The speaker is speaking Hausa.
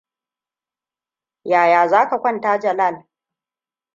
Yaya za ka kwatanta Jalal?